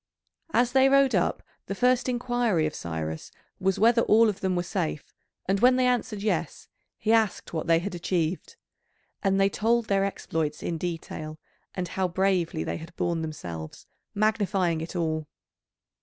As they rode up the first inquiry of Cyrus was whether all of them were safe, and when they answered yes, he asked what they had achieved. And they told their exploits in detail, and how bravely they had borne themselves, magnifying it all.